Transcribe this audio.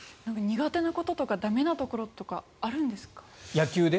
苦手なこととか駄目なところとかあるんですか？